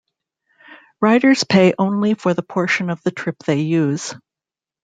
Riders pay only for the portion of the trip they use.